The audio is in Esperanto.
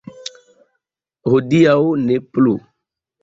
Hodiaŭ ne plu.